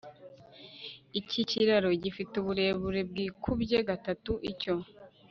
Iki kiraro gifite uburebure bwikubye gatatu icyo